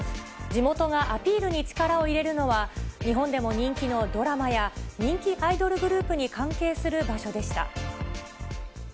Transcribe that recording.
地元がアピールに力を入れるのは、日本でも人気のドラマや、人気アイドルグループに関係する場所でした。